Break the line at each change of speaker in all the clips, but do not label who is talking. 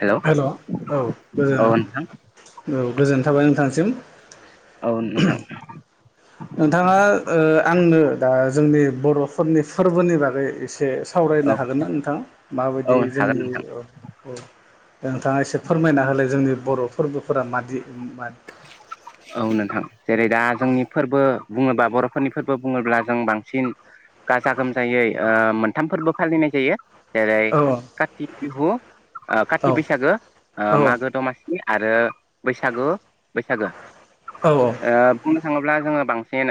Hello
hello औ जोङो
औ नोंथां
औ गोजोननाय थाबाय नोंथांसिम
औ नोंथां
नोंथाङा ओ आंनो दा जोंनि बर'फोरनि फोरबोनि बागै एसे बे
औ
सावरायनो हागोन ना नोंथां
औ
माबायदि
हागोन
जोंनि
नोंथां
औ औ नोंथाङा एसे फोरमायना होलाय जोंनि बर' फोरबोफोरा मादि मान
औ नोंथां जेरै दा जोंनि फोरबो बुङोबा बर'फोरनि फोरबो बुङोब्ला जों बांसिन गाजा गोमजायै मोनथाम फोरबो फालिनाय जायो जेरै
औ
काति बिहु
औ
काति बैसागो
औ
मागो दमासि आरो बैसागु बैसागो
औ
ओ बुंनो थाङोब्ला जोङो बांसिन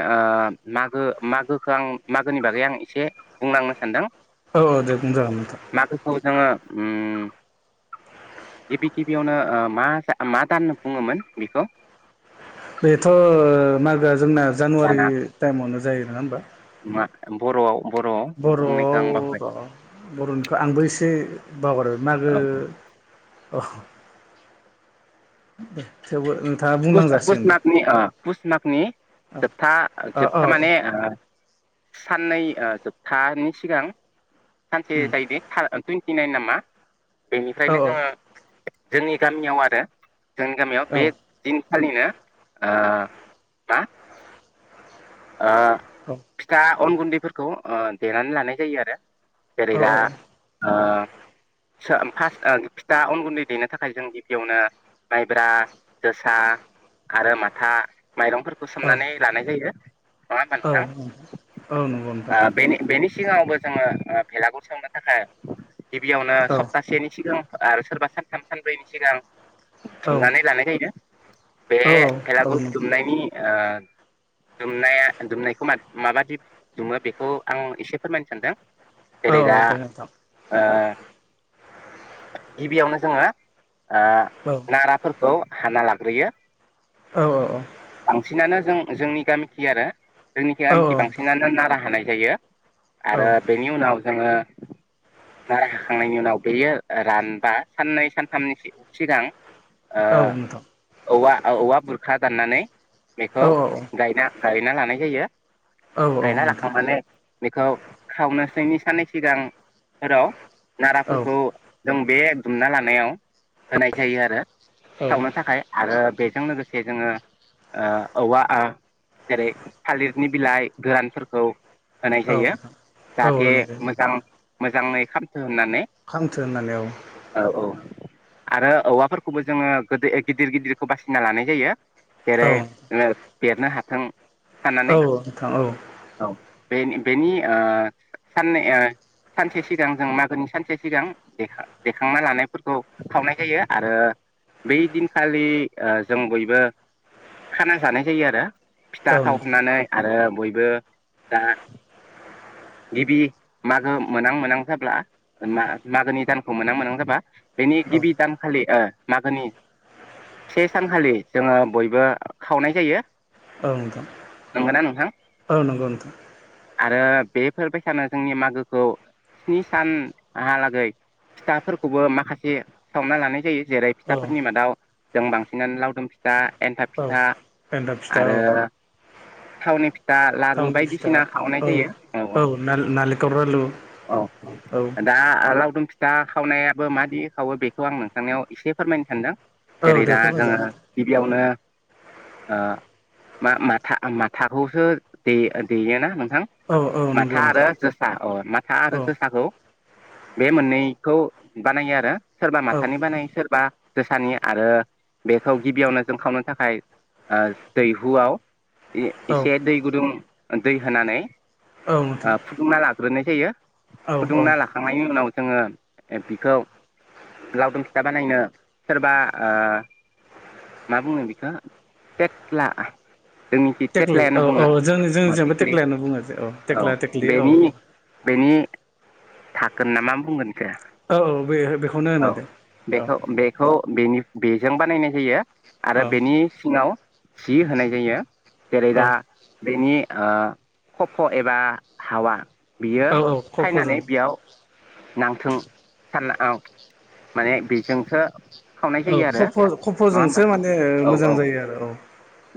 मागो मागोखौ आं मागोनि बागै आं एसे बुंलांनो सानदों
औ दे बुं जागोन नोंथां
जोंङो ओम गिबि गिबियावनो मा मा दान बुङोमोन बेखौ
बेथ' मागोआ जोंना जानुवारि
दाना
टाइमावनो जायो नङा होमबा
मा बर'आव बर'आव बुंनायखौ
बर'आव
आं बावबाय
र' बर'निखौ आंबो एसे बावगार मागो
औ
द थेवबो नो
पुस पुस मागनि
औ
जोबथा
औ औ
जोबथा माने साननै जोबथानि सिगां सानसे
उम
जायो दे टुइन्टि नाइन नामा
औ
बेनिफ्रायनो जोङो जोंनि गामियाव आरो जोंनि गामियाव
औ
बे। फालिनो ओ मा। ओ फिथा अन गुन्दैफोरखौ ओ देनानै लानाय जायो आरो। जेरैदा
औ
ओ सो ओम फारस्ट ओम। दा अन गुन्दै देनो थाखाय जों गिबियावनो माइब्रा जोसा आरो माथा माइरंफोरखौ
औ
सोमनानै लानाय जायो। बां
औ
सानखां
नंगौ नोंथां
ओ बेनि बेनि सो सिगाङावबो जोङो ओ भेलागुर सावनो थाखाय गिबियावनो
औ
सप्तासेनि सिगां आरो सोरबा सानथाम सानब्रैनि सिगां
औ
दुमनानै लानाय जायो बे
औ औ
भेलागुर
नंगौ
दुमनायनि ओ दुमनाया दुमनायखौ मा माबादि दुमो बेखौ आं एसे फोरमायनो सानदों।
औ
जेरै दा
दे नोंथां
ओ गिबियावनो जोङो ओ
औ
नाराफोरखौ हाना लाग्रोयो।
औ औ औ
बांसिनानो जों जोंनि गामिखि आरो जोंनिखि
औ
गामिखि
नोंथां
बांसिनानो नारा हानाय जायो।
औ नोंथां औ
आरो बेनि उनाव जोङो
[inaudible]
नाराय हाखांनायनि उनाव बेयो रानबा साननै सानथामनि सि सिगां ओ
औ नोंथां
औवा औवा बुरखा दाननानै बेखौ
औ
गायना गायना लानाय जायो
औ
गायना
नोंथां
लाखांनानै बेखौ खावनोसैनि साननै सिगांफोराव
औ
नाराफोरखौ जों बे दुमना लानायाव होनाय जायो आरो सावनो थाखाय आरो बेजों लोगोसे से जोङो ओ औवाआ जेरै थालिरनि बिलाइ गोरानफोरखौ होनाय जायो जाहाथे
होनांगौ
मोजां मोजाङै खा खामनानै
खामथो होननानै औ
औ औ। आरो औवाफोरखौबो जोङो गोदो गिदिर गिदिरखौ बासिना लानाय जायो
औ
जेरै ओ बेरनो हाथों।
औ औ नोथां औ।
बेन बेनि ओ साननै ओ सानसे सिगां जों मागोनि सानसे सिगां देखां देखांना लानायफोरखौ खावनाय जायो आरो बै दिनखालि ओ जों बयबो खाना जानाय जायो आरो फिथा
नोंथां
खावखांनानै आरो बय बो दा गिबि मागो मोनां मोनां जाब्ला मा मागोनि दानखौ मोनहां मोनांहां जाबा बेनि
औ
गिबि दानखालि ओ मागोनि से सानखालि जोङो बयबो खावनाय जायो।
औ नोथां
नंगौना नोंथां
औ नंगौ नोंथां।
आरो बेफोरबायसानो जोंनि मागोखौ स्नि सान हालागै फिथाफोरखौबो माखासे सावना लानाय जायो। जेरै
औ
फिथाफोरनि मादाव जों बांसिनानो लावदुम फिथा एन्थाब फिथ
औ
था
एन्थाब फिथा
आरो
औ
थावनि फि थां लारु बायदिसिना खावनाय जायो औ औ।
ना नालिखर लारु
औ
औ।
दा लावदुम फिथा खावनायाबो मादि खावो बेखौ आं नोंथांनिाव एसे फोरमायनो सानदों।
औ
जेरै
दे
दा जोङो
फोरमायजागोन
गिबियावनो ओ मा माथा माथाखौसो दे देयोना नों
औ औ। नंगौ
माथा आरो
नोंथां
जोसा अ माथा आरो
औ
जोसाखौ बे मोननैखौ बानायो आरो सोरबा
औ
माथानि बानायो सोरबा जोसानि आरो बेखौ गिबियावनो जों खावनो थाखाय ओ दैहुआव
औ
ए-एसे दै गुदुं दै होनानै
औ
ओ
नोंथां
फुदुंना लाग्रोनाय जायो।
औ औ
फुदुंना लाखांनायनि उनाव जोंङो बिखौ लावदुम फिथा बानायनो सोरबा ओ मा बुङो बिखो टेक्ला जोंनिखि
थेख्लि
टेक्लायानो
औ औ
बुंङो
जोंनि
ओ
जोंनिजोंबो
टिखलि।
थेख्लियानो बुङो जे थेख्ला
औ
थेख्लि औ
बेनि बेनि धाकोन ना मा बुंगोन
औ औ बे बेखौनो
[unintelligible]
होनो
औ
दे औ
बेखौ बेखौ बेनि बेजों बानायनाय जायो आरो
औ
बेनि सिंङाव जि होनाय जायो। जेरै दा
औ
बेनि ओ खफ एबा हावा बियो
औ औ
फायनानै
खफ'जों।
बेयाव [unintelligible] माने बेजोंसो खावनाय
औ
जायो आरो
खफ'
नङा होमबा
खफ'जोंसो माने
औ
मोजां
औ
जायो आरो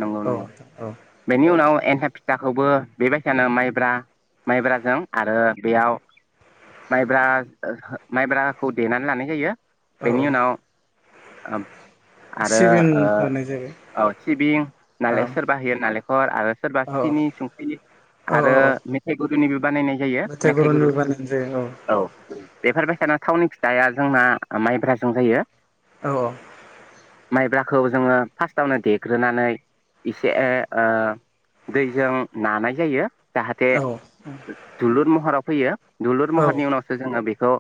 नंगौ नंगौ
औ औ।
बेनि उनाव एन्थाब फिथाखौबो बेबायसानो माइब्रा माइब्राजों आरो बेयाव माइब्रा ओ माइब्राखौ देनानै लानाय जायो
औ
बेनि उनाव ओम आरो
सिबिं
ओ
होनाय जाबाय
औ सिबिं
औ
नालाय सोरबा होयो ना लेंखर आरो सोरबा
औ
सिनि संख्रि
औ
आरो
औ औ
मेथाइ गुरुनिबो बानायनाय जायो मेथाइ
गुरुनि
गुरु
बानायनाय जायो
औ बेफोरबायसानो थावनि फिथाया जोंना ओ माइब्राजों जायो।
औ औ
माइब्राखौ जोंङो फार्स्टआवनो दे ग्रोनानै एसे ओ ओ दैजों नानाय जायो जाहाथे
औ
दुलुर महराव फैयो दुलुर महरनि उनावसो जोंङो बेखौ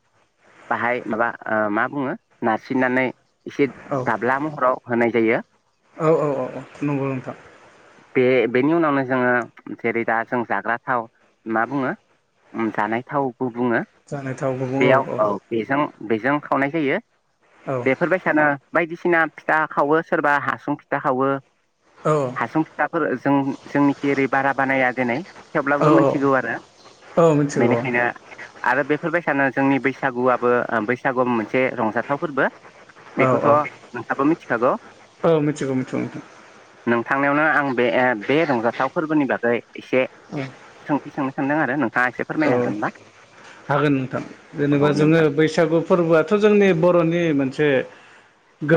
बाहाय माबा ओ मा बुंङो नारसिननानै एसे दाब्ला महराव होनाय जायो।
औ औ औ औ नंगौ नोंथां।
बे-बेनि उनावनो जोंङो जेरै दा जों जाग्रा थाव मा बुङो ओम जानाय थावबो बुंङो
जानो थाव गुबुं
बेयाव औ बेजों बेजों खावनाय जायो
औ
बेफोरबायसानो बायदिसिना फिथा खावो सोरबा हासुं फि था खावो
औ
हासुं फिथाफोर जों-जोंनिखि ओरै बारा बानाया देनाय।
औ
थेवब्लाबो मोनथिगौ आरो
औ मिथिगौ
बेनिखायनो आरो बेफोरबायसानो जोंनि बैसागुआबो ओ बैसागुआव मोनसे रंजाथाव फोरबो।
औ
बेखौथ'
औ
नोंथांङाबो मिथिखागौ।
औ मिथिगौ मिथिगौ नोंथां।
नोंथांनियावनो आं बे ओ बे रंजाथाव फोरबोनि बागै एसे
उम।
सोंनो सानदों आरो नोंथाङा एसे फोरमायनो हागोन ना?
हागोन नोंथां
औ
जेनेबा जोंङो
नोंथां
बैसागु फोरबोआथ' जोंनि बर'नि मोनसे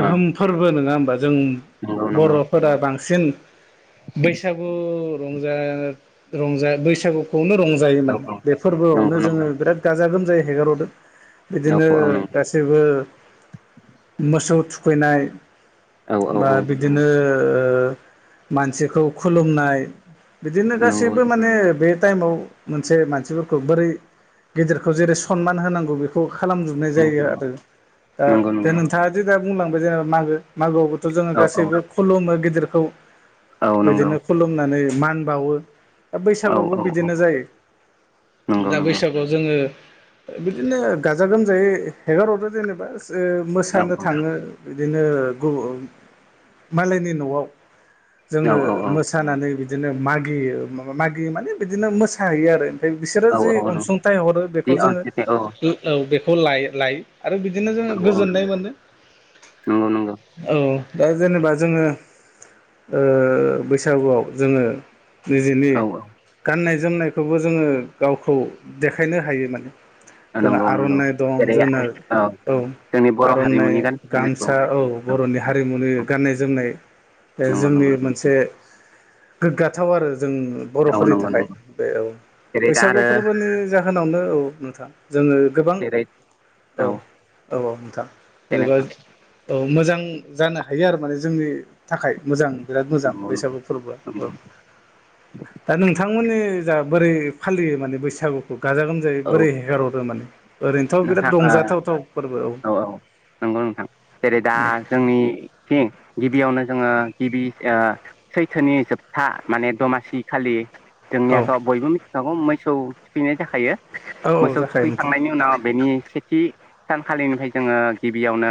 ओ
फोरबो नंङा होमबा जों
नंगौ नंगौ
बर'फोरा बांसिन बैसागु रंजा रंजा बैसागु खौनो
औ
रंजायोमोन बे
नंगौ
फोरबोआवनो
नंगौ
जोंङो बिराद गाजा गोमजायै हेगारहरो। बिदिनो
औ औ नंगौ
गासैबो मोसौ थुखैनाय
औ औ
बा बिदिनो ओ मानसिखौ खुलुमनाय बिदिनो गासैबो माने बे टाइमाव मोनसे मानसिफोरखौ बोरै गिदिरखौ जेरै सनमान होनांगौ बेखौ खालामजोबनाय जायो आरो
नंगौ
ओ दा
नंगौ
नोंथाङादि दा बुंलांबाय जेनेबा मागो मागोआवबोथ' जोंङो
औ
गासैबो खुलुमो गिदिरखौ
औ नंगौ
बिदिनो खुलुमनानै मान बावो। दा
औ
बैसागआवबो
औ
बिदिनो जायो
नंगौ
दा
नंगौ
बैसागु आंङो बिदिनो गाजा गोमजायै हेगार हरो जेनेबास। रो
औ
मोसानो थाङो बिदिनो गु मालायनि न'आव। जोङो
औ औ
मोसानानै बिदिनो मागियो मा मा मागियो माने बिदिनो मोसाहैयोआरो। बिसोरो जि
औ नंगौ
अनसुंथाइ हरो
जि
बेखौ जोङो
अनसुलि औ
लो ओ औ बेखौ लाय लायो आरो बिदिनो जोङो
औ
गोजोननाय
नंगौ
मोनो
नंगौ नंगौ
औ। दा जेनेबा जोङो ओह बैसागुआव जोङो निजिनि
औ
गाननाय जोमनायखौबो जोङो गावखौ देखायनो हायो माने।
औ
जों
नंगौ नंगौ
आर'नाइ दं
जेरै
जोंनो औ।
जोंनि बर'
आर'नाइ
हारिमुनि गाननाय जोमनायखौ
गामसा औ
नंगौ
बर'नि हारिमुनि गाननाय जोमनाय। ओह
नंगौ नंगौ
जोंनि मोनसे गोग्गाथाव आरो जों
औ
बर'फोरनि
नंगौ
थाखाय
नंगौ
बे औ
जेरै दा आरो
बैसागुफोर [unintelligible] जाहोनावनो औ नोंथां जोङो गोबां
जेरै
औ औ औ नोंथां।
दे
जेनेबा
नोंथां
ओ मोजां जानो हायो आरो माने जोंनि थाखाय मोजां बिराद मोजां
नंगौ नंगौ
बैसागु फोरबोआ औ
नंगौ
दा नोंथां नोंथांमोननिजा बोरै फालियो माने बैसागुखौ गाजा गोमजायै
औ
बोरै हेगारहरो माने? ओरैथ'
नोंथां
बिराद रंजाथावथाव।
औ औ नोंगौ नोंथां जेरै दा जोंनि थिं गिबियावनो जोङो गिबि ओह सैथोनि जोबथा माने दमासि खालि
औ
जोंनियाथ' बयबो मिथिखागौ मोसौ थुखैनाय जाखायो
औ औ
मोसौ
जाखायो नोंथां
थुखैखांनायनि उनाव नि सेथि सानखालिनिफाय जोङो गिबियावनो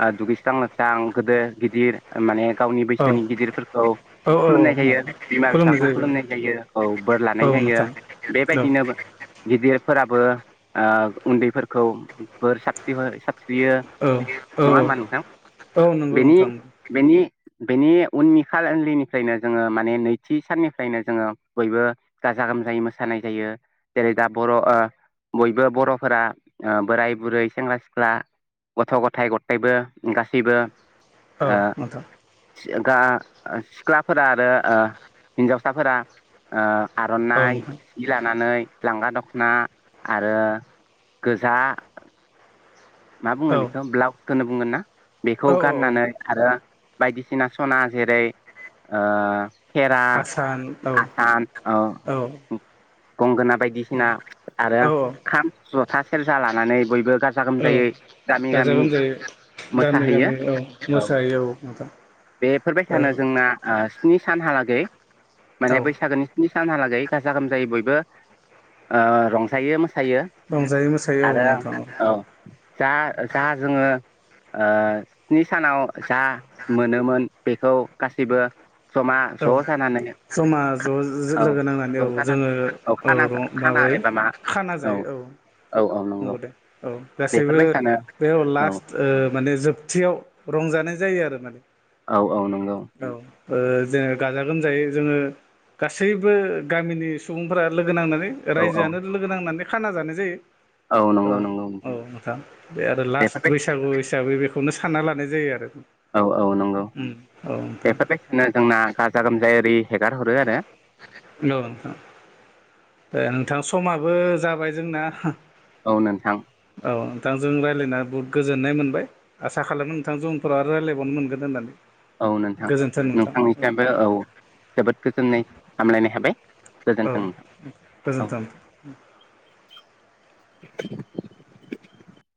ओह दुगैस्रां लोबस्रां गोदो गिदिर माने गावनि
औ
बैसोनि गिदिरफोरखौ
औ औ
खुलुमनाय
औ
जायो बिमा बिफाखौ खुलुमनाय जायो औ बोर
औ
लानायजायो
नोंथां औ
बेबायदिनो बो गिदिरफोराबो ओह उन्दैफोरखौ बोर साबस्रि हरो साब स्रियो
औ औ
नङा
औ
होमबा नोंथां
औ नंगौ
बेनि
नोंथां
बेनि बेनि उननि खालै लिनिफ्रायनो जोङो माने नैथि साननिफ्रायनो जोङो बयबो गाजा गोम हानजायै मोसानाय जायो जेरै दा बर' ओह बयबो बर'फ फोरा ओह बोराय बुरै सेंग्रा सिख्ला गथ' गथाय गततायबो उम गासैबो
औ नोंथां।
सि गा सिख्लाफोरा आरो ओह हिन्जावसाफोरा ओ
औ
आर'नाइ
नोंथां
हि लानानै लांगा दख'ना आरो गोजा मा बुङो
औ
बेखौ ब्लाउसखौनो बुंगोनना बेखौ
औ
गाननानै आरो बायदिसिना सना जेरै ओ खेरा
आसान औ
आसान अह
औ
गंगोना बायदिसिना आरो
औ
खाम जथा सेरजा लानानै बयबो गाजा गोम
औ गाजा गोमजायै गामि
मोसाहैयो
गामि औ मोसाहैयो औ नोंथां।
बे फोरबायसानो जोंना ओह स्नि सानहालागै माने
औ
बैसागोनि स्नि सानहालागै गाजा गोमजायै बयबो ओह रंजायो मोस सायो
रंजायो मोसायो औ
आरो
नोंथां
औ जा जा जोङो ओ स्नि सानाव जा मोनोमोन बेखौ गासैबो जमा
औ
ज' जानानै
जमा ज' जो
औ
लोगो नांनानै
ज'
औ
जानानै
जोङो औ
खाना
र
खाना
माबायो।
एबा मा
खाना जायो औ।
औ औ नंगौ
नंगोदे औ गासैबो
बेफोरबायसानो
बेयाव
औ
लास्ट ओह माने जोबथियाव र रंजानाय जायो आरो माने।
औ औ नंगौ।
औ ओ जोङो गाजा गोमजायै जोङो गासैबो गामिनि सुबुंफोरा लोग गो नांनानै
औ औ
रायजोआनो लोगोनांनानै खाना जानाय जायो।
औ
ओ
नंगौ नंगौ
ओ नोंथां बे आरो लास्ट
बेफोरबाय
बैसागु हिसाबै बे खौनो सानना लानाय जायो आरो।
औ औ नंगौ
उम औ नोंथां
बेफोरबायदिनो जोंना गाजा गोमजाय ओरि हेगार हरो आरो
औ नोंथां ओ नोंथां समाबो जाबाय जोंना
औ नोंथां
औ नोंथांजों रायलायना बहुद गोजोन्नाय मोनबाय आसा खालामो नोंथांजों उनफोराव आरो रायलायबावनो मोनगोन होननानै
औ नोंथां
गोजोन्थों नोंथां
नोंथांनिसिबो औ जोबोद गोजोननाय हामलायनाय थाबाय
औ
गोजोन्थों नोंथां औ
गोजोन्थों
[inaudible]